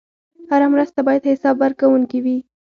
هره مرسته باید حسابورکونکې وي.